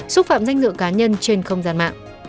xúc phạm danh dự cá nhân trên không gian mạng